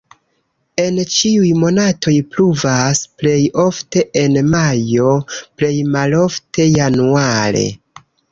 En ĉiuj monatoj pluvas, plej ofte en majo, plej malofte januare.